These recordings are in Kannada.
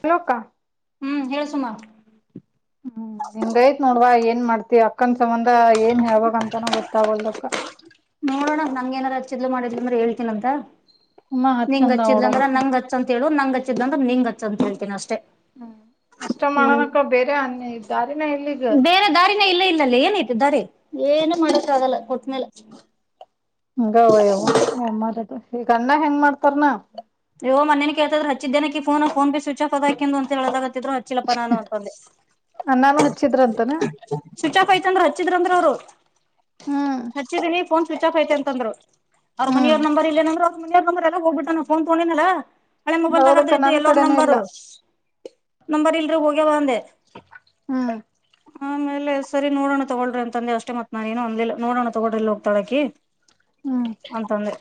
ಪೊಲ್ಕ ಹ್ಮು ಹೇಳ್ ಸುಮ ಹ್ಮು ಇಂಗಯ್ತ ನೋಡವಾ ಏನ್ ಮಾಡ್ತಿ ಅಕ್ಕನ್ ತವಂಗ ಏನ್ ಹೇಳ್ವಕಂತ ಅಂತನ ಗೊತ್ತಾಗಲ್ದಕ್ಕ. ನೋಡೋಣ ನಂಗೇನರ ಹಚ್ಚಿದ್ಲು ಮಾಡಿದ್ಲು ಅಂದ್ರ ಹೇಳ್ತೀನ ಅಂತ. ಸುಮ್ಮ ನಿಂಗ್ ಹಚ್ಚಂದ ಹಚ್ಚಿದ್ಳಂದ್ರ ಅವಡಂತ ನಂಗ ಹಚ್ಚ ಅಂತ ಹೇಳು ನಂಗ ಹಚ್ಚಿದಂದ್ರ ನಿಂಗ ಹಚ್ಚ ಅಂತ ಹೇಳ್ತೀನಿ ಅಷ್ಟೇ. ಹ್ಮ ಅಷ್ಟ ಮಾಡೋನಕ್ಕ ಬೇರೆ ಅನ್ ದಾರಿನ ಇಲ್ಲ ಈಗ ಹೇ ಇಲ್ಲಿ ಇಲ್ಲ ಲ್ಲ ಅಲ್ಲ ಏನೈತಿ ದಾರಿ ಏನು ಮಾಡಕ್ಕ ಆಗಲ್ಲ ಕೊಟ್ಟ್ಮೇಲೆ. ಹಿಂಗಯವ ಎವ್ವಾ ಏನ್ ಮಾಡೂದು ಈಗ ಅನ್ನ ಹೆಂಗ್ ಮಾತಡ್ತರೆ ಕಂಡಮ್ ಮಾಡ್ತಾರ್ನ. ಯೋ ನಿನ್ನೆನ ಕೇಳ್ತಯ್ದಿರ ಹಚ್ಚಿದ್ದೇನ ಆಕಿಗಿ ಫೋನ್ ಫೋನ್ಬಿ ಸ್ವಿಚ್ಆಫ್ ಆದ ಅಕಿಂದು ಅಂತಿಹೇಳ್ ಹೊಗ್ಳ್ ತಿದ್ರು ಹಚ್ಚಿಲಪ್ಪ ನಾನು ಅಂತಂದೆ. ಅನ್ನಾನು ಹಚ್ಚಿದ್ರಂತನ ಸುಚಾಪ್ ಆಯ್ತತಂದ್ರ ಹಚ್ಚಿದ್ರಂದ್ರ ಅವ್ರು ಹ್ಮ್ ಹಚ್ಚಿದನಿ ಫೋನ್ ಸ್ವಿಚ್ ಆಫ್ ಆಯ್ತಾ ಅಂತಂದ್ರು ಅವ್ರ ಹ್ಮ್ ಮನಿಯವರ ನಂಬರ್ ಇಲ್ಲೇನಂದ್ರು. ನಮ್ಮನೆಯರ ನಂಬರ ಎಲ್ಲ ಹೋಗ್ಬಟ್ಟಾನ ನಾ ಫೋನ್ ತುಗೊಂಡಿನಿಲ ಹಳೆ ಮೊಬೈಲ್ದಾಗ ಹೌದಕ್ಕ ಅದು ಇದ್ದು ನನ್ ಎಲ್ಲರು ಕಡೆನೂ ನಂಬರ್ ಇಲ್ಲ ನಂಬರ್ ಇಲ್ರಿ ಹೋಗ್ಯವ ಅಂದೆ. ಹ್ಮ. ಆಮೇಲೆ ಸರಿ ನೋಡೋಣ ತೊಗೊಳ್ರಿ ಅಂತಂದೆ ಅಷ್ಟೇ ಮತ್ ನಾನೇನು ಅಂದ್ಲೇಲ್ಲ ನೋಡಣ ತಗೋಳ್ರಿ ಯಲ್ಲ ಹೋಗ್ತಾಳಕಿ. ಅಂತಂದೆ.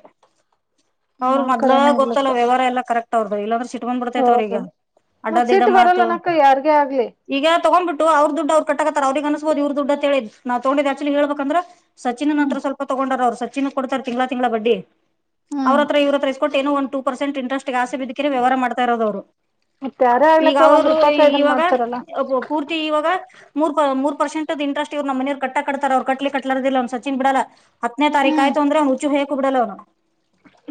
ಅವ್ರ ನನ್ನ ಮೊದ್ಲ ಕಡೇನ ಗೊತ್ತಲ್ಲ ವ್ಯವಹರ ಎಲ್ಲ ಕರೆಕ್ಟ್ ಅವ್ರುದ ಇಲ್ಲಂದ್ರ ಸಿಟ್ ಟ್ಬಂದ್ಬಿಡತ್ ಹೌದು ಅವ್ರಿಗ ಅಡ್ಡ ಮತ್ ದಿಡ್ಡ ಸಿಟ್ಟು ಮಾತು ಬರಲ್ಲನಕ್ಕ ಯಾರ್ಗೆ ಆಗ್ಲಿ ಈಗ ತಗೊಂಡ್ಬಿಟ್ ದ್ದು ಅವ್ರ ದುಡ್ ಅವರು ಕಟ್ಟಕತ್ತಾರೆ ಅವ್ರಿಗೆ ಅನ್ಸೋಬೋದ್ ಇವ್ರು ದುಡ್ಡು ಅತ್ತ ಹೇಳಿ ನಾ ತಗೊಂಡಿದ್ದ ಆಕ್ಚುಲಿ ಹೇಳಬೇಕಂದ್ರೆ ಸಚಿನ್ ಹ್ಮ್ ಹತ್ರ ಸ್ವಲ್ಪ ತಗೊಂಡಾರ ಅವ್ರ ಸಚಿನ್ಕ ಕೊಡ್ತಾರೆ ತಿಂಗ್ಳ ತಿಂಗ್ಳ ಬಡ್ಡಿ ಅವ್ರ ಹ್ಮ್ ಹತ್ರ ಇವ್ರತ್ರ ಇಸ್ಕೊಟ್ಟು ಏನೋ ಒನ್ ರ್ಸೆಂಟ್ ಇಂಟ್ರೆಸ್ಟ್ಗ ಆಸೆ ಬಿದ್ದಕೇರೆ ವ್ಯವಾರ ಮಾಡ್ತಾ ಇರೋದ ಅವ್ರು ಮತ್ತ ಯಾರೇ ಈಗ ಆಗ್ಲಕ್ಕ ಒಂದ್ ಅವರು ರೂಪಾಯಕ ಇದನ್ ಇವಾಗ ಮಾಡ್ತಾರಲ್ಲ ಪು ಪೂರ್ತಿ ಇವಾಗ ಮೂರ್ಪು ಮೂಪರ್ಸಂಟ್ದ್ ಇಂಟ್ರೆಸ್ಟದ ಇವರು ನಮ್ ಮನೆಯವ್ರು ಕಟ್ಟ ಕಟ್ತಾರವ್ರು ಕಟ್ಲಿ ಕಟ್ಲಾರದಿರ್ಲಿ ಸಚಿನ್ ಬಿಡಲ್ಲ. ಹತ್ತನೇ ತಾರೀಕ ಹ್ಮ್ ಆಯ್ತಾಂದ್ರ ಅವ್ನು ಉಚುಯಿಕ್ ಬಿಡಲ್ಲ ಅವ್ನು.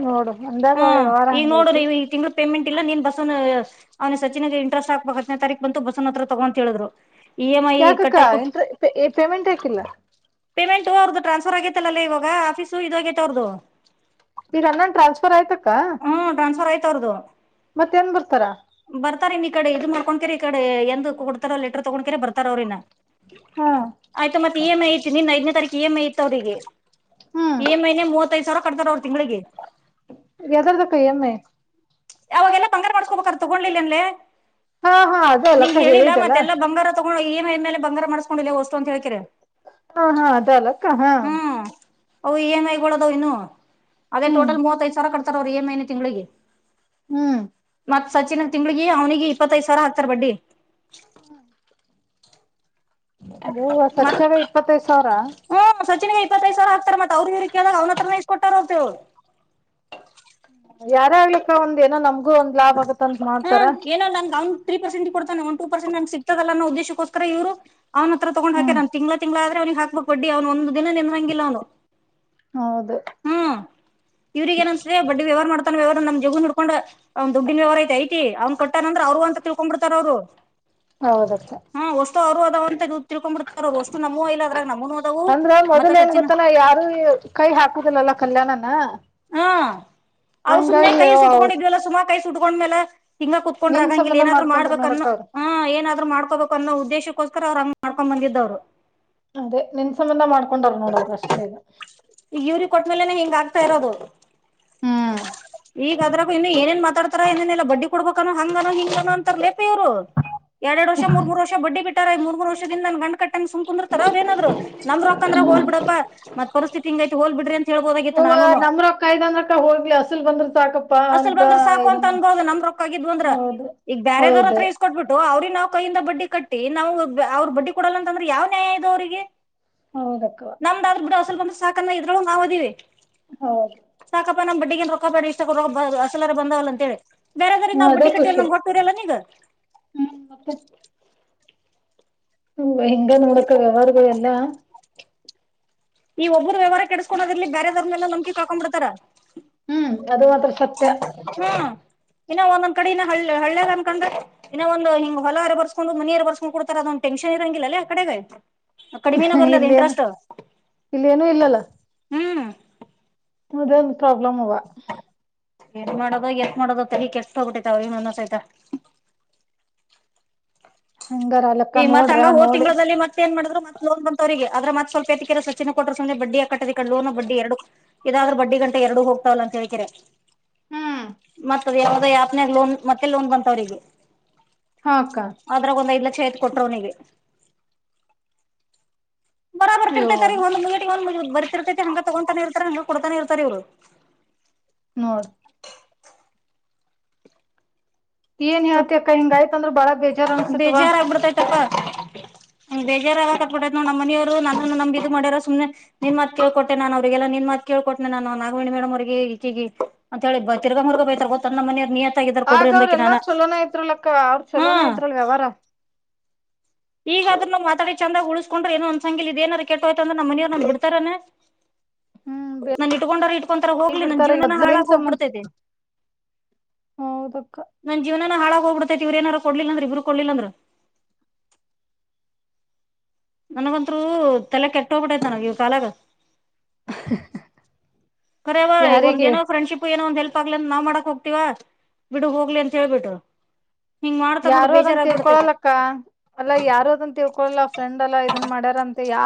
ನೋಡು ಮುಂದ ಈಗ ನೋಡು ನೀವು ಈಗ ತಿಂಗಳು ಪೇಮೆಂಟ್ ಇಲ್ಲಾ ನೀನ್ ಬಸ್ನಾ ಅವ್ನ ಸಚಿನಿಗೆ ಇಂಟ್ರೆಸ್ಟ್ ಆಕ್ಬೇಕ್ ಹತ್ತನೇ ತಾರೀಕ್ ಬಸವನತ್ರ ತಗೊಂತ ಹೇಳಿದ್ರು ಇ ಎಂ ಐ ಯಾಕಾಕ್ಕ ಕಟ್ಟಕ್ಕು ಎಂಟ್ರು ಟ್ ಪೇಮೆಂಟ್ ಆಕಿಲ್ಲ ಪೇಮೆಂಟ್ ಅವ್ರುದು ಟ್ರಾನ್ಸ್ಫರ್ ಆಗೈತ್ತೆಲ್ಲಲೆ ಇವಾಗ ಆಫೀಸು ಇದು ಆಗೈತೆ ಅವ್ರುದು ಬೀರ್ ಅನ್ನನ್ ಟ್ರಾನ್ಸ್ಫರ್ ಆಯ್ತಕ್ಕ ತರುದು ಮತ್ತೇನ್ ಬರ್ತಾರ ಇನ್ ಈ ಕಡೆ ಇದು ಮಾಡ್ಕೋಕರ ಈ ಕಡೆ ಎಂದ ಕೊಡ್ತಾರೋ ಲೆಟರ್ ತೊಗೋಕರ ಬರ್ತಾರ ಅವ್ರರಿನ್ನ ಹಾ ಆಯ್ತಾ ಮತ್ತೆ ಇ ಎಮ್ ಐ ಇತ್ತು ನಿನ್ ಐದನೇ ತಾರೀಕು ಇ ಎಂ ಐ ಇತ್ತು ಅವಿಗೆ ಹ್ಮ್ ಈ ಮೈನೆ ಮೂವತ್ತೈದ್ ಸಾವಿರ ಕಟ್ತಾರ ಅವರು ತಿಂಗಳಿಗೆ ಅದರ್ದಕ್ಕ ಎಮ್ಮೆ ಯಾವಾಗೆಲ್ಲಾ ಬಂಗಾರ ಮಾಡ್ಕೊಬೇಕ್ರ ತೊಗೊಂಡ್ಲಿಲ್ಲ ಅನ್ ಹಾ ಹಾ ಅದ ಅಲ್ಲಕ್ಕ ನೀಂಗ್ ಹೇಳಿಲ್ಲಾ ಹೇಳಿದಲ್ಲ ಮತ್ತೆಲ್ಲಾ ಬಂಗಾರ ತಗೊಂಡು ಏನ ಎನ್ ಮೇಲೆ ಬಂಗಾರ ಮಾಡ್ಸ್ಕೊಂಡಿಲ್ಲ ವಸ್ತು ಅಂತ ಹೇಳ್ಕಿರ ಹಾ ಹಾ ಅದ ಅಲ್ಲಕ್ಕ ಹಾ ಅಓ ಇ ಎಮಂ ಐಗಳ ಅದವು ಇನ್ನು ಅದೇ ಹ್ಮ್ ಟೋಟಲ್ ಮೂವತ್ತೈ ಸಾವಿರ ಕಟ್ತಾರ ಅವರು ಇ ಎಮ್ ಐನ ತಿಂಗಳಿಗೆ ಹ್ಮ್ ಮತ್ ಸಚಿನ್ ತಿಂಗ್ಳಿಗೆ ಅವ್ನಿಗೆ ಇಪ್ಪತ್ತೈದು ಸಾವಿರ ಹಾಕ್ತಾರ ಬಡ್ಡಿ ಹ್ಮ ಹಹ ಮತ್ ಸಚ್ಚವ ಇಪ್ಪತ್ತೈ ಹ್ಮ್ ಸಚಿನ್ಗೆ ಇಪ್ಪತ್ತೈದು ಸಿರ ಹಾತ ಮತ್ತೆ ಅವ್ರ ಇವ್ರ ಕಲ್ಲಾಗ ಅವ್ನತ್ರನ ಕೊಟ್ಟಾರಪವ ಯಾರ ಆಗ್ಲಿಕ್ಕ ಒಂದ್ ಏನೋ ನಮ್ಗೂ ಒಂದ್ ಲಾಭ್ ಆಗತ್ತ ಅಂತ ಮಾಡ್ತಾರ ಹ್ಮ್ ಏನೋ ನನ್ಗ್ ಅವ್ನ್ ತ್ರೀ ಪರಟ್ ಕೊಡ್ತ ಒ ಟ ಪರ್ಸೆಟ್ ನಂ ಸಿಕ್ತದಲ್ಲ ಅದ್ದೇಶಕ್ಕೋಸ್ಕ ಇವ್ ಅವ್ ಹತ್ರ ತಗೊಂಡ್ ಹಕ ಹ್ಮ್ ನ ತಿಂಗಳ ತಿಂಗಳ ಅವ್ನಿಗೆ ಹಾಕ್ಬೇಕಕ್ ಬಡ್ಡಿ ಅವ್ನು ಒಂದ್ ದಿನ ನಿಂದಂಗಿಲ್ಲ ಅವನು ಹೌದು ಇವ್ರಿಗೆಗ ನ್ ಅನ್ಸತದೆ ಬಡ್ಡಿ ವ್ಯವಹಾರ ಮಾಡ್ತಾನ ವ್ಯವಾರ ನಮ್ ಜಗ ನೋಡ್ಕೊಂಡ್ ಅವ್ ದುಡ್ಡಿನ ವವಾರ ಐತ ಐತಿ ಅವ್ನ್ ಕೊಟ್ಟಾರ ಅಂದ್ರ ಅವರು ಅಂತ ತಿಳ್ಕೊಂಡ್ ಬಿಡ್ತಾರ ಅವರು ಹೌದಪ್ಪ ಅವರು ಅ ತಗ ತಿಳ್ಕೊಂಡ್ ಬಿಡ್ತಾರ ಅವರು ಅಷ್ಟು ನಮ್ಮೂ ಇಲ್ಲ ಅದ್ರಾಗ ನಮ್ಮೂ ನೋದವು ಅಂದ್ರ ಮತ್ತ ಮೊದಲ್ ಏನ್ ಸಚಿನ್ ಕಲ್ಲ ನ ಹ್ಮ ಅವ್ ಸುಮ್ನೆ ಹಂಗಾಗಿ ಕೈ ಅವ್ರ್ ಸುಟ್ಕೊಂಡಿದ್ವಲ್ಲ ಸುಮ್ಮ ಕೈ ಸುಟ್ಕೊಂಡ್ಮ್ಯಲೆ ತಿಂಗಾ ಕುತ್ಕೊಂಡ್ರ ಆ ನಿನ್ ಹಾಗಂಗಿಲ್ಲ ಸಂಬಂಧ ಏನಾದ್ರು ಮಾಡ್ಕೊಂಡ್ರ ಮಾಡಬೇಕ ಅನ್ನ ನೋಡಕ್ ಅವ್ರ ಹ್ ಏನಾದ್ ಮಾಡ್ಕೋಬೇಕುನ್ನೋ ಉದ್ದೇಶಕ್ಕೋಕ ಕರ್ ಅವ್ರ ಹಂಗ್ ಮಾಡ್ಕೊಂಡ್ ಬಂದಿದ್ದ್ರು ಅದೇ ನಿನ್ ಸಂಬಂಧ ಮಾಡ್ಕೊಂಡರು ನೋಡವರು ಅಷ್ಟೇ ಈಗ ಈಗ ಇವ್ರಿಗೆ ಕೊಟ್ಟ್ಮೇಲೆನೆ ಹಿಂಗ ಆಗ್ತಾ ಇರೋದು ಹ್ಮ್ ಈಗ ಅದ್ರಾಗು ಇನ್ನು ಏನ್ ಮಾತಾಡ್ತಾರ ಏನೆಲ್ಲ ಬಡ್ಡಿ ಕೊಡ್ಬೇಕಾನ ಹಂಗಾನೋ ಹಿಂಗಾನೋ ಅಂತ ಲೇಪಿರು ಎರಡು ವರ್ಷ ಮೂರುರ್ ಬಡ್ಡಿ ಬಿಟ್ಟಾರಐ ಮೂರು ವರ್ಷಿಂದ ನನ್ ಗಂಡ ಕಟ್ಟ ಸುಕುಂದರ್ ತಾರ ಅವ್ರ ನಾದ್ರು ನಮ್ರ ಅಪ್ಪಂದ್ರ ಹೋಲ್ ಬಿಡಪ್ಪತ್ ಪರಿಸ್ಥಿತಿ ಹಂಗ ಐತಿ ಹೋಲ್ ಬಿರಿ ಅಂತ ಹೇಬೋದಾಗಿ ನಮ್ರ ಕಾಯ್ದ ಅಂದ್ರಕ್ಕ ಹೋಗ್ಲಿ ಅಸಲ್ ಬಂದ್ರ ಸಾಕಪ್ಪಾ ಅಸಲ್ ಅಂತ ಬಂದ್ರ ಸಾಕು ಅಂತ ಇದಮ್ಮ ಅನ್ಬೋದು ನಮ್ ರೊಕ್ಕ ಆಗಿದ್ವು ಅಂದ್ರ ಹೌದ್ರ ಈಗ ಬೇರೆದವರತ್ರ ಈಸ್ಕಟ್ಬಟ್ಟು ಅವ್ರಿಗೆ ನಾವ್ ಕೈಯಿಂದ ಬಡ್ಡಿ ಕಟ್ಟಿ ನಾವು ಅವ್ರರು ಬಡ್ಡಿ ಕೊಡಲ್ಲ ಅಂತಂದ್ರೆ ಯಾವ್ ನ್ಯಾಯ ಇದು ಅವ್ರಿಗೆ ಹೌದಕ್ಕವ ನಮ್ದಾದ ಬಿಡ ಹೊಸಲ್ ಬಂದ ಸಾಕನ್ನ ಇದ್ರೊಳ ನಾೋದೀವಿ ಹೌದು ಸಾಕಪ್ಪಾ ನಮ್ ಬಡ್ಡಿಗೆ ರೊಕ್ಕ ಬೇಡ ಇಷ್ಟ ರೊ ಅಸಲಾರ ಬಂದವಲ್ಲ ಅಂತ ಹೇಳಿ ಬೇರೆದ್ರ ಹ್ಮ ನಾವವು ಅದೇ ಬುಡ್ಡಿ ಕಟ್ಟಿಯಲ್ಲ ಖುಷಿ ನಮ ಹೊರ್ತರಿಲ್ಲ ನೀಗ ಹ್ಮ್ ಮತ್ತೆ ಹ ಹಿಂಗ ನೋಡಕ ವ್ಯವಹಾರ್ದ ಎಲ್ಲ ಈ ಒಬ್ಬರು ವ್ಯವಹಾರ ಕೆಡಿಸಕೋದ್ರಲಿ ಬೇರೆದ್ರನೆಲ್ಲ ನಂಬ್ ಕಕೊಂಡ್ ಬಿಡ್ತಾರ ಹ್ಮ್ ಅದು ಮಾತ್ರ ಸ ಹ ಇನ್ನೊ ಒಂದೊಂದ್ ಕಡ ಇ ಹಳ್ಳಿ ಹಳ್ಳಿಗ್ ಅನ್ಕೊಂಡ್ರೆ ಇನ್ನ ಒಂದ್ ಹಿಂಗ ಹೊಲರಾರ ಬರ್ಸ್ಕೊಂಡುನಿಯರ ಬರ್ಸ್ಕೊಂಡ್ ಕುಡ್ತಾರೆ ಅದೊಂದು ಟೆನ್ಷನ್ ಏರಂಗಿಲ್ಲ ಅಲ್ಲಿ ಕಡೆ ಆಯ್ತು ಇಲ್ಲೇನು ಇಲ್ಲೇನು ಇಲ್ಲಲ್ಲ ಹ್ಮ್ ಮದಂದು ಪ್ರಾಬ್ಲಮ್ವಾ ಎದ ಮಾಡೋದ ಎಷ್ಟ ಮಾಡೋದತ್ತ ಹೀ ಕೆ ಎಷ್ಟ ತಗಬಿಟ್ಟಿತಾವ ಇಂದಸ ಆಾಯ್ತಾ [unintelligible] ಹಂಗಾರ ಅಲಕ್ಕ ಈ ಮತ್ ನೋಡ್ರ ಹಂಗ ಹೋರ್ ನೋಡಿ ತಿಂಗಳದಲ್ಲಿ ಮತ್ತತ್ ಏ ಮಾಡಿದ್ ಮತ್ತ ಲೋನ್ ಬಂತವ್ರಿಗೆ ಅ್ರತ್ತತ್ ಸ್ವಲ್ಪ ಎ ಸಚ್ಚೆ ಕೊಟ್ಟ್ರ ಸಂದೆ ಬಡ್ಡಿ ಆ ಕಟ್ಟ ಲೋನ್ ಬಡ್ಡಿ ಎರಡು ಇದಾದ್ರ ಬಡ್ಡಿ ಗಂ ಎರಡು ಹೋಗ್ತಾವಲ್ಲ ಅಂತ ಹೇಳ್ಕರೆ ಹ್ಮ್ ಮತ್ತದ ಯಾವದ ಯಪ್ನಯಾಗ [unintelligible] ಲೋನ್ ಮತ್ತೆ ಲೋನ್ ಬಂತ ಅವ್ರಿಗೆ ಹಾಕ್ಕ ಅದ್ರಾಗ ಒಂದ್ ಐದ್ ಲಕ್ಷ ಐತ್ ಕೊಟರು ಅವನಿಗೆ ಬರಾ ಯವ್ವ ಬರ್ತಿರ್ತರಿ ಒಂದ ಮುಟ ಒ ಬರ್ತಿರ್ತತೆತಿ ಹಂಗ ತಗೊಂತಾನೇ ಇರ್ತ ಹಂಗ ಕೊಡ್ತಾನೆ ಇರ್ತಾರೆ ಇವರು ನಡ್ ಏನ್ ಯತ ಅಕ್ಕ ಹಿಂಗ ಆಯ್ತಂದ್ರ ಬಾಳ ಬೇಜಾರ್ ಅನ್ಸತ್ವ ಹೆ [unintelligible] ಹ ಬೇಾರ ಕರ್ಪಟ್ಟೈ್ [unintelligible] ನಮ್ಮ ಮನವ್ರು ನನ್ನ ನಮ್ ಇದ್ ಮಾಡ್ಯಾರ ಸು್ನೆ ನಿಮ್ಮತ್ ಕಳ್ ಕೊಟ್ಟ ನನ್ ಅವರಿಗೆಲ್ಲ ನಿಮ್ಮ ತ್ ಕೇಳ್ೊನನೆ [unintelligible] ನು ನಾಗವೇಣಿ ಮಡ್ ಅವರಿಗೆ ಈಚಗ ಅಂತ ಹೇಳಿ ಬ ತಿರ್ಗ ಮುರ್ಗ ಬತಾರ ಗೊತ್ತ ನಮ್ಮ ಮನವಿಯ [unintelligible] ಾಗಾರ [unintelligible] ಕೊಡ್ರಿ ಆಗ ಅವ್ರ ಅಂದಕ ಎಲ್ಲಾ ನಾನು ಚಲೋನ [unintelligible] ಇದ್ರಲ್ಕ್ಕ ಅವ್ರರು ಚಲೋನ ಇದ್ರಲ್ ಅವಾರ ಈಗಾದ್ರ ನಾ ಮಾತಾಡಿ ಚಂದ್ ಉಳ್ಸ್ಕೊಂಡ್ರ ಏೋ [unintelligible] ಒಂದ ಸಂಂಗಲ್ ಇದ ನಾರ ಕ ಕೆಟ್ಟೋಯ್ತಂದ್ರ ನಮ್ಮನವ್ ನ್ ಬಿಡ್ತಾರನೆ ಹ್ಮ್ [unintelligible] ಬೇ ನನ್ ಇಟ್ಕೊಂಡರು ಇಟ್ಕೊಂತರ ಹೋಗ್ಲಿ ನನ್ ಬಿಡ್ತಾರ ಜೀವನ ಮೊದ್ಲ ನಿನ್ ಹಾಳಾಗ ಸಂಬಂಧ ಹೋಗ್ಬಿಡ್ತೈತೆ ಹೌದಕ್ಕ ನನ್ ಜೀವನನ ಹಾಳಾಗ ಹೋಗ್ಬಿಡ್ತೈತಿ ಇವ್ರ ಏನಾರ ಕೊಡ್ಲಿಲ್ಲಂದ್ರ ಇವ್ರ ಕೊಡ್ಲಿಲ್ಲಂದ್ರ ನನಗಂರು ತಲೆ ಕೆಟ್ಟ ಹೋಗ್ಬಿಟ್ಟದ ನನಗ ಇವ ಕಾಲಾಗ [unintelligible] ಕರಿಯಪ್ಪ ಒಂದ ಯಾರಿಗೆ ಏನ ಫ್ರೆಂಡ್ಶಿಪ್ ಏನೋ ಒಂದೆಲ್ಲ ಪ್ಪಾಗ್ಲ ನಾವ್ ಮಾಡಕ್ ಹೋಗ್ತಿೀವ ಬಿಡಗ್ ಹೋಗ್ಲಿ ಅಂತ ಹೇಳ್ಬಿಟ್ರು ಯಾರು ಅದನ್ ತಿಳ್ಕೊಳಲ್ಲಕ್ಕ ಅಲ್ಲಾ ಯಾರು ಅದನ್ ತಿಳ್ಕೊಳಲ್ಲ ಫ್ರೆಂಡ್ ಎಲ್ಲಾ ಇದನ್ ಮಾಡ್ಯಾರಂತ ಯ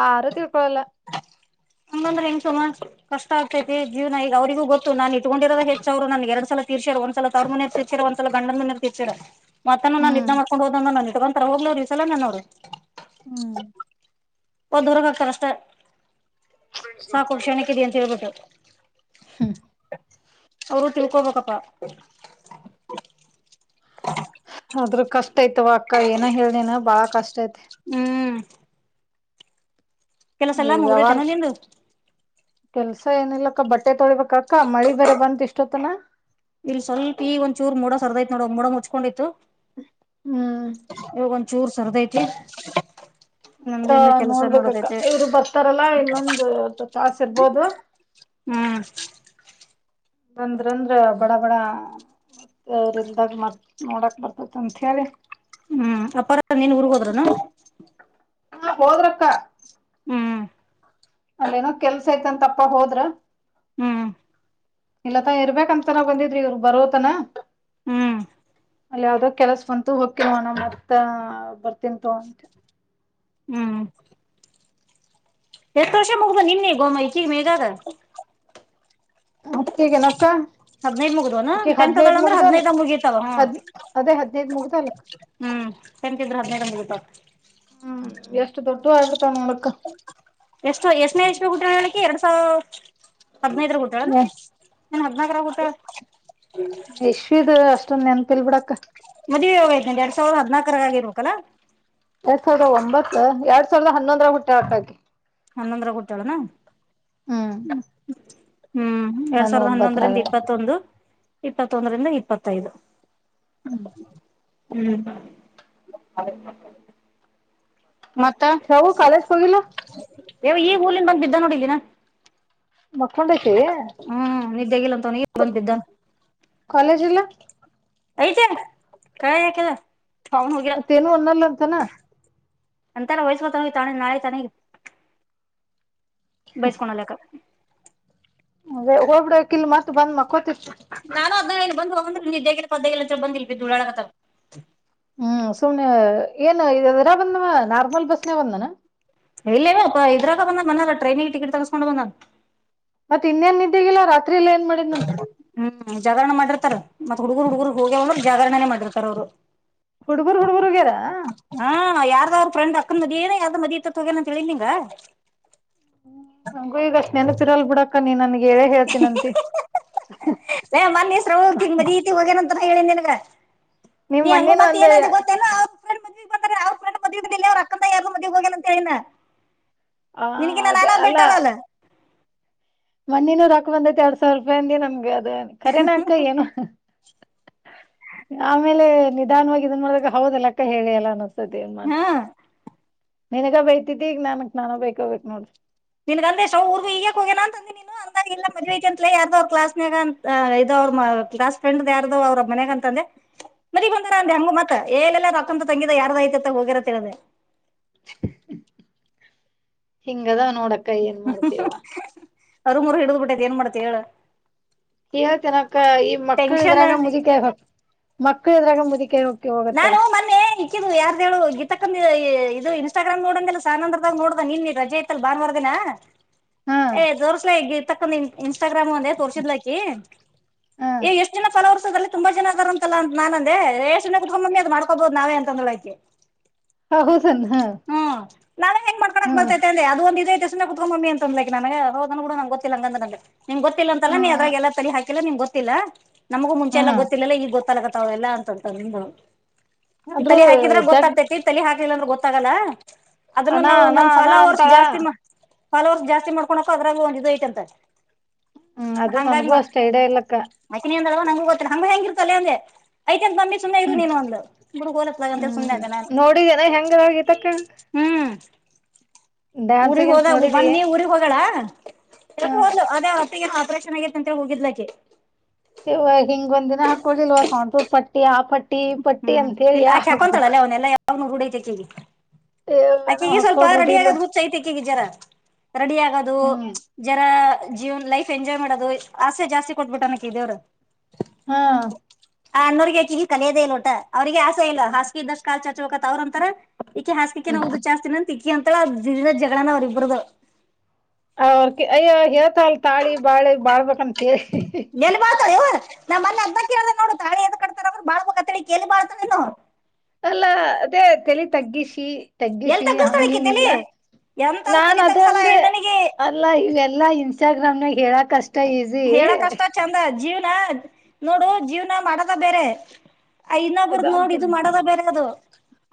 ಹಂದಂದ್ರೆ [unintelligible] ಹೆಂಗ ಸಲ್ ಕಷ್ಟ ಆಗ್ತೈತಿ ಜೀವನ ಈಗ ಅವರಿಗ ಗೊ ನಾನ್ ಇಟ್ಕೊಂಡಿರದ ಹೆಚ್್ರು [unintelligible] ನನ್ ಎರಡ್ ಸಲ ತೀರ್ರ ಒಂದ ಸಲ ತ [inaudible] ಒಂದ್ಲ ಗಂಡಂದ ನೀ ತಿರ್ಚ್ಚರ ಮತ್ತಾನ ನನ್ ನ ಹ್ಮ್ ಇದ್ದ ಮಾಡ್ಕೊಂಡು ಹೋದಂದ ನ ಇಟ್ಕೊಂತತಾರ ಹೋಗ್ವ್ರು ಈ ಸಲ ನನವರು ಹ್ಮ್ ಒ್ಊರಗ [unintelligible] ಹಾಕ್ಕಾರಷ್ಟೇ ಸಾಕು ಕ್ಷಣಕ್ಕೆಿದೆ ಅಂತ ಹೇಳ್ಬಿಟ್ಟು ಅವರು ತಿಳ್ಕೊಬೇಕಪ್ಪಾ ಆದದ್ರ ಕಷ್ಟ ಯ್ತವ ಅಕ್ಕ ಏನ ಹೇಳನೇನ ಬಾಳ ಕಷ್ಟ ತೆ ಹ್ಮ್ ಕೆಲಸ ಎಲ್ಲ ಈ ಮುಗ್ದ ವ್ಯವಹಾರ ಚನೋ ನಿಂದು ಕೆಲ್ಸ ಏನ ಇಿಲ್ಲಕ್ಕ ಬಟ್ಟೆ ತೊಳಿಬೇಕ ಅಕ್ಕ ಮಳಿ ಬೇರೆ ಬಂದ ಇಷ್ಟೊತ್ತನ ಇಲ್ಲಿ ಸ್ವಲ್ಪ ಈಗ ಒಂದಚೂರ್ ಮೂೋಡ ಸರ್ದೈಯತ ನೋಡ ಮೋಡ ಮುಚ್ಕೊಂಡಿತ್ತು ಹ್ಮ್ ಇವಾಗ ಒಂದಚೂರು ಸರ್ದ್ ಐತಿ ಅತ್ತ ನೋಡ್ಬೇಕಕ್ಕ ಇವ್ರು ಬರ್ತಾರಲ್ಲಾ ಇನ್ನೊಂದು ತಾಸ ಇರ್ಬೋದು ಹ್ಮ್ ಬಂದ್ರ ಅಂದ್ರ ಬಡ ಬಡ ಮತ್ತೆ ಅವ್ರಲ್ದಾಗ ಮ ನೋಡಕ್ ಬರ್ತತಿ ಅಂ ಹೇಳೇಳಿ ಹ್ಮ್ ಅಪಾರ ನೀನ್ ಊರ್ಗ್ೋದ್ರನಾ ಹಾ ಹೋದ್ರಕ್ಕ ಅಲ್ಲೇನೋ ಕೆಲ್ಸ ಯ್ತಂತಪ್ಪ ಹೋದ್ರ ಹ್ಮ್ ಇಲ್ಲತ ಇರ್ಬೇಕಂತನ ಬಂದಿದ್ರಿ ಇವ್ರ ಬರೋತನ ಹ ಅಲ್ಲಿ ಯಾವ್ದೋ ಕೆಲಸ ಬಂತು ಹೊಕ್ಕಿ ಮನ ಮತ್ತ ಬರ್ತಿನ್ ತಗೋ ಅಂತ. ಎತ್ತು ವರ್ಷ ಮುಗ್ದ ನಿನ್ನಿ ಗೋಮ ಈಚೀಗ ಮೇದಾದ. ಅಕ್ಕಗೆನ ಅಕ್ಕ. ಹದ್ನೈದ್ ಮುಗ್ದವನು ಅಕೆ ಟೆಂತ್ ಹದ್ನೈದ ಅದಾಳ ಅಂದ್ರ ಮುಗ್ದ ಅಲ ಹದ್ನೈದ ಮುಗಿತಾವ ಹ್ಮ ಹದ್ ಅದೇ ಹದ್ನೈದು ಮುಗ್ದ ಅಲಕ್. ಹ್ಮ್ ಚೆಂತಿದ್ರೆ ಹದ್ನೈದ್ ಮುಗಿತಾವ. ಹ್ಮ್ ಎಷ್ಟು ದೊಡ್ಡವ ಆಗ್ಬಿಡ್ತಾವೆ ನೋಡಕ್. ಎಷ್ಟು ಎಷ್ಟನೇ ಇಸ್ವಿಯಲ್ಲಿ ಹುಟ್ಟುಳ ಆಕಿ ಎರಡ್ ಸಾವಿರ್ ಹದ್ನೈದರ ಊಟ್ಟಾಳೇನ್ ಹದ್ನಾಕರ ಹುಟ್ಟಾಳ. ಇಶ್ವಿದ ಅಷ್ಟೊಂದ ನೆನಪಿಲ್ಲಿ ಬಿಡಕ್ಕ. [unintelligible] ಎರಡ್ ಸಾವಿರದ ಹದ್ನಾಲ್ಕರ ಆಗಿರಬೇಕುಲಾ. ಎರಡ್ ಸಾವಿರದ ಒಂಬತ್ತು ಎರಡ್ ಸಾವಿರದ ಹನ್ನೊಂದರ ಹುಟ್ಯಾಳ ಅಅಕಿ. ಹನ್ನೊಂದ್ರಲ್ ಹುಟ್ಟಾಳೇನಾ. ಹ್ಮ್ ಹ್ಮ್ ಎರಡ್ ನಾನು ಸಾವಿರದ ಹನ್ನೊಂದರಿಂದ ಒಂಬತ್ತರಾಗ ಇಪ್ಪತ್ತೊಂದು ಇಪ್ಪತ್ತೊಂದರಿಂದ ಇಪ್ಪತ್ತೈದು. ಹ್ಮ ಹ್ಮ್ ಮತ್ತ ಸವು ಕಾಲಜ್ ಹೊಗಿಲ್ಲ. ಯವ ಈ ಊಲ್ ನಿಂದ ಬಂದು ಬಿದ್ದ ನೋಡಿದೀನಾ. ಮಕ್ಕೊಂಡೈತಿ ನಿದ್ದೆಗಿಲ್ಲ ಅಂತವನ ಈಗ ಬಂದ್ ಬಿದ್ದಾನ ಕಾಲೇಜ ಇಲ್ಲ. ಐತೇನ್ ಕಳ ಯಾಕೆಲ್ಲ. ಮತ್ತೇನು ಒನ್ನಲ್ಲ ಅಂತನ. ಅಂತಾರ ವಯಸ್ವ ತ ತ ನಾಳೆ [unintelligible] ಬಯಸ್ಕನಲ್ಲಕ್ಕ. ಅದೇ ಹೋಗಬಡಕ್ ಇಲ್ ಮತ್ ಬಂದ್ಕ್ಕತಿರ್ತ. ನಾನು ಅದ್ನ ಹೇಳಿದ್ನಿ ಬಂದ್ ಹೋಗಂದ್ರೆ ನಿದೇಗ ಇಲ್ಲ ಪದ್ದೆ ಇಲ್ಲ ಬಂದಿಲ್ಲ ಉಳ್ಳಾಡಕತ್ತವೆ. ಹ್ಮ್ ಸುಮ್ನೆ ಏನು ಇದರ ಬಂದವ ನಾರ್ಮಲ್ ಬಸ್ನ ಬಂದನ. ಇಲ್ಲೇವ ಇದ್ರಾಗ ಬಂದ ಬಂದಾರ ಟ್ರೈನಿಗೆ ಟಿಕೆಟ್ ತಗಸ್ಕೊಂಡು ಬಂದನ್. ಮತ್ತ ಇನ್ನೇನ್ ನಿದ್ದೆಗಿಲ್ಲ ರಾತ್ ಹ್ಮ್ ಜಾಗರಣ ಮಾಡಿ [unintelligible] ಮಾಡಿರ್ತಾರೆ ಮತ್ ಹುಡುಗರು ಹುಡುಗರು ಹೋಗವಂದರೆ ಜಾಗರಣನೆ ಮಾಡಿರ್ತ ಅವ್ರು. ಹುಡುಗುರು ಹುಡುಗುರು ಹೋಗ್ಯರಾ. ಯಾರ್ದ್ರ ಫ್ರಂಡ್ ಅಕ್ಕನ ಮದಿ ಯಾರ್ದ್ ಮದುವೆಯಿತಂತ ಹೋಗ್ಯಾನಂತ ಹೇಳಿದ್ನಿಂಗಾ. ಹ್ಮ ನಂಗೂ ಈಗ ಅಷ್ಟ ನೆನಪ ಇರಲ್ಲ ಬಿಡಾಕ ನೀನ್ ನನ ಹೇ ಮೋನ್ನಿ ಸ್ರಾವುಕಿ ಮದಿತಿ ಐತಿ ಹೋಗಾನಂತ. ಹೇಳಿನ್ ನಿಂಗ, ನಿಮ್ ನೀ ಹಂಗು ಮನ್ನಿನು ಮತ್ತ್ ಅಂದೆ ಏನಂದೆ ಗೊತೇನು. [unintelligible] ಅವ್ ಅಕ್ಕಂದ ಯಾರ ಮದ್ವೀಗೆ ಹೋಗನ ಅಂತ ಹೇಳೀನಿ. ಆ ನಿನಗಿನ್ನ ಅದ ನಾನಾ ಬೆಟರ್ ಅಲ್ಲ. ಮೊನ್ನೆನು ರೊಕ್ಕ ಬಂದೈತಿ ಎರಡ್ ಸಾವಿರ ರೂಪಾಯಿಂದಿ ನಮ್ಗೆ ಅದ ಕರನಾಕ್ಕ ಏನೊ. ಆಮೇಲೆ ನಿಧಾನವಾಗಿ ಇದನ್ ಮಾಡಾಗ ಹೌದಲ್ಲ ಅಕ್ಕ ಹೇಳಿ ಎಲ್ಲ ಅನ್ನತ. [unintelligible] ತಿ ಏನ್ ಮತ್ ಹ್ಮ್ ನಿನಗ ಬೈತಿದ್ದ ಈಗ ನನ್ಕ್ ನಾನ ಬೈಕೋಬೇಕ್ ನೋಡ್ರಿ. ನಿನ್ಗ ಅಂದೆ ಶ್ರವೂ ಊರ್ ಈಗ ಯಾಕ್ ಹೋಗ್ಯಾನ ಅಂತ ಅಂದಿ ನೀನು ಅಂದಾಗ ಇಲ್ಲ ಮದ್ವೈತಿ ಅಂತಲ ಯಾರ್ದೋ ಅವ್ರ ಕ್ಲಸ್ನಗ ಇದು ಅವ್ರ್ ಕ್ಲಾಸ್ ಫ್ರೆಂಡ್ ಯಾರ್ದು ಅವ್ರ ಮನ್ಯಾಗ ಅಂತಂದೆ. ಮನಿಗ್ ಬಂದಾರ ಅಂದೆ ಹೆಂಗು ಮತ್ತೇ ಏಲೆಲ್ಲ ರಕ್ಕಂತ ತಂಗಿದ ಯಾರ್ದ ಐತಿತ್ತ ಹೋಗಿರ ಅಂತ ಹೇಳ್ದೆ. ಹಿಂಗದಾವ ನೋಡಕ್ಕ ಏನ್ ಮಾಡ್ತೀಯ. ಅರು ಮೂರು ಹಿಡಿದ್ ಬಿಟ್ಟೈ ಏನ್ ಮಾಡ್ತಾಯ ಹೇಳು. ಹೇಳ್ತಿನಕ ಈ ಮಕ್ಕಳ ಟೆನ್ಷನ್ ಇದ್ರಾಗ ಮುದಕೆ ಹಕ್ ಮಕ್ಕಳು ಇದ್ರಾಗ ಮುದಕೇ ಹೋಗಕ್ ನಾನು ಮೊನ್ನೆ ಇಕ್ಕಿದ್ದ್ ಯಾರ್ದ ಹೇಳು ಗಿತ್ತಕ್ಕಂದ ಇದು ಇನ್ಸ್ಟಾಗ್ರಾಮ್ ನೋಡಂದಿಲ್ಲ ಸಾನಂದ್ರಗ ನೋಡ್ದೆ ನಿನ್ನೆ ರಜೆ ಇತ್ತಲ್ಲ ಬನ್ವಾರದಿನ. ಹಾ ಏ ತೋರ್ಸಲೆ ಗೀತಕ್ಕ ಇನ್ ಇನ್ [unintelligible] ಟಾಗ್ರಾಮ್ ಅಂದೆ ತೋರ್ಸಿದ್ಲಾಕಿ ಹಾ ಎ ಎಷ್ಟು ಜನ ಫಲೋವರ್ಸ ದಲ್ಲಿ ತುಂಬ ಜನ ಅದರ ಅಂತಲ್ಲ ಅ ನು ಅಂದೆ ಏ ಸುಮ್ನೆ ಕುಂತುಗೊ ಮಮ್ಮಿ ಅದು ಮಾಡ್ಕೋಬಹದು ನಾವೇ ಅಂತಂದ ಹೇಳಳ್ಕೆ ಹೌದನ್ ಹಾ ಹ್ಮ್ ನಾವ ಹೆೇಂಗ ಮಾಡ್ಕೊಳಕ್ ಹ್ಮ್ ಬರ್ತೈತೆ ಅಂದೆ ಅದು ಒಂದು ಇದ ಐತೆ ಕಮ್ಮಿ ಅಂತಂದ ನನ ಹದ ಕೂ ನ ಗೊಲ್ಲಂಗಂದಗೆ ನಿ ಗೊಲ್ಲ ಅಂತಲ್ಲ ನೀ ಹ್ಮ್ ಅದಾಗ ಎಲ್ಲ ತ ಹಾಕಿಲ್ಲ ನಿ ಗೊ ಗೊತ್ತಿಲ್ಲ ನಮಗೂ ಮುಂಚೆ ಎಲ್ಲ ಹ್ಮ್ ಗೊತ್ತಿಲ್ಲಲ್ಲ ಈಗ ಗೊತ್ತಲಗತ್ತಾವೆಲ್ಲ ಅಂತ ಉಂಟ ನಿಮ್ದ ಆದ್ರೂ ತಲೆ ಹಾಕಿದ್ರ ಜಗ್ ಗೊತ್ತಾಗ್ತೇತಿ ತಲಿ ಹಾಕ್ಲಿಲ್ಲ ಅಂದ್ರೂ ಗೊತ್ತಾಗಲ್ಲ ಅದನ್ನು ಅಣ ನಾವು ಅಣ ನಮ ಅಣ ಫಾಲೋವರ್ಸ್ ಅಂತಾಳ ಜಾಸ್ತಿ ಹಲವಸ್ ಜಾಸ್ತಿ ಮಾಡ್ಕೊಂಡಕ ಅದ್ರಾಗ ಒಂದು ಇದು ಐತಂತೆ ಹ್ಮ್ [unintelligible] ಅದು ಹಂಗ ನನ್ಗೂ ಹ ಅಷ್ಟ ಐಡಿಯಾ ಇಲ್ಲಕ್ಕ ಹಂಗ ಹ ಹೆಂಗರ್ತದೆ ಅಂದೆ ಆಯ್ತ ಮಮ್ಮಿ [unintelligible] ಹ್ಮ್ ಹ್ಮ್ ನೋಡಿದೇನ ಹೆಂಗದಾಗಿತ್ತಕ್ಕ ಹ್ಮ್ ಡ್ಯಾನ್ಸ್ ಊರಿಗ್ ಗಿನ್ಸ್ ಹೋದಾಗ ನೋಡಿದಿ ಬಂದ ನೀ ಊಗ್ ಹೋಗಳ ಪ ಹೋದ್ಲು ಅದೇ ಹೊತ್ತಗಏನ ಆಪರೇಷನ್ ಆಗಿತ್ತ ಅಂತೇಳ ಹೋಗ್ಲಕ್ಕೆ ಇ ಹಿಂಗ ಒಂದ್ ದಿನ ಹಾಕೊಳ್ಳಳಿಲ್ವ ಸೌಂ ಪಟ್ಟ ಪಟ್ಟಿ ಆ ಪಟ್ಟಿ ಈ ಪಟ್ಟಿ ಅಂತೇಳಿಯ ಹಬ್ಬಕ್ ಅವ ಡೈತೆ ಕಗ ನಾವ್ ಆಕೀಗೆ ಸ್ವಲ್ಪ ಹಾಕೊಂಡ್ ರೂಢಿ ರೆಡಿ ಇಲ್ವ ಆಗದ್ ಹಚ್ಚ ಐತೆ ಕೀಿಗೆಿ ಜರ ರೆಡಿ ಆಗೋದು ಹ್ಮ್ ಜರ ಜೀವನ್ ಲೈಫ್ ಎಂಜಾಯ್ ಮಾಡೋದು ಆಸೆ ಜಾಸ್ತಿ ಕೊಟ್ಬಿಟ್ಟು ಅನಕ್ ದೇವರು ಹಾ ಆ ಅನ್ನೋರರಿಗೆಕಿ ಹಿ ಕಲಿಯದೇ ಇಲ್ಟ ಅವರಿಗೆ ಆಸೆ ಇಲ್ಲ ಹಾಸು ಇದಷ್ಟ ಕಾ ಚಾಚ್ ಹಕತ್ತ ಅವ್ರ ಅಂತರ ಈಕಿ ಹಾಸಕಿಕ ಹ್ಮ್ ನ್ದ ಜಾಸ್ತಿನ ಅಂತ ಈಕಿ ಅಂತೇಳ ದ ಜಗಳಣಂದ ಅವರು ಇಬ್ರದು ಅವ್ರ ಅಯ್ಯ ಹೇಳ್ತ ಅಲ್ ತಾಳಿ ಬಾಳೆ ಬಾಳ್ಬಂತ [unintelligible] ನಮ್ಮ್ ಅದ ಕೇಳ ನೋಡು ತಳಿ ಎದ ಕತ ಅವರು ಬಾಳ್ ಕೇಳಲಿ ಬಾಳ್ತೋ ಅಲ್ಲ ಅದೇ ತಲಿ ತಗ್ಗಿಸಿ ಎಲ್ಲಿ ತಗ್ಗಿಸಿ ತಗ್ಗಿಸ್ತಾಳ ಈಕಿ ಹಂಗಿಲ್ಲ ತಲಿ ಎಂತದು ನಾನ ತಲಿ ಅದೇ ತಗ್ಸಲ್ಲ ಅಂದ್ರೆ ಹೆಣ್ಣನಿಗೆ ಅಲ್ಲ ಈವೆಲ್ಲ ಎಲ್ಲ ಇನ್ಸ್ಟಾಗ್ರಾಮ್ ನಾಗ ಹೇಳಕ್ಷ್ಟೆ ಹೇಳಕ್ಷ್ಟ ಚಂದ ಜೀವ್ನ ನೋಡು ಜೀವ್ನ ಮಾಡದ ಬೇರೆ ಅ ಇನ್ನ ಅದ ಬುರದ್ ನೋಡಿ ಅಂತಿನ ಇದು ಮಾಡದ ಬೇರೆ ಅದು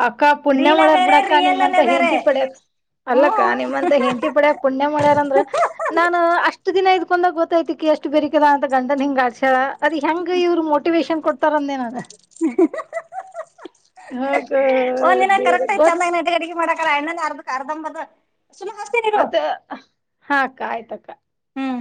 ಅಕ್ಕ ಪುಣ್ಯ ರೀಲ ಮಾಡರ್ ಬೇರೆ ಬಿಡಾಕ್ಕ ನಿಮಮ್ಮಂತ ರಿಯಲ್ನೇ ಬೇರೆ ಹೆಂತತಿ ಪಡ್ಯಕ್ ಅಲ್ಲಕ್ಕ ಹ್ಮ್ ನಿಮ್ಮಂತ ಹೆಂತಿ ಪಡ್ಯ ಪುಣ್ಯ ಮಾಡ್ಯಾರಂದ್ರ ನಾನು ಅಷ್ಟು ದಿನ ಇದ್ [unintelligible] ಹಾಗ ಒಂದ್ ದಿನ ದೇವ್ರ ಕರೆಕ್ ಆಯ ಗೊತ್ ಚೆಂದಾಗಿ ನ ಅಟಗಡಿಗೆ ಮಾಡ ರ ಇ್ಣ ಅರ್ಧ ಮರ್ದ ಅದ ಹಾ ಅಕ್ಕ ಆಯ್ತ ಅಕ್ಕ ಹ್ಮ್.